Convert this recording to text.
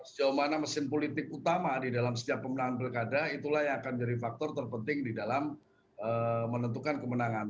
sejauh mana mesin politik utama di dalam setiap pemenangan pilkada itulah yang akan jadi faktor terpenting di dalam menentukan kemenangan